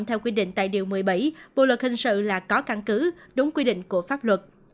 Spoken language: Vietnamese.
theo quy định tại điều một mươi bảy bộ luật hình sự là có căn cứ đúng quy định của pháp luật